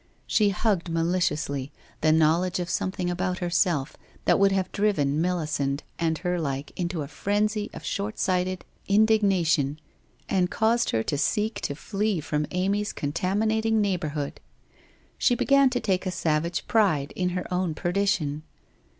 She hugged maliciously the knowledge of something about herself, that would have driven Melisande and her like into a frenzy of short sighted indignation, and caused her to seek to flee from Amy's contaminating neighbourhood. ... She began to take a savage pride in her own perdition.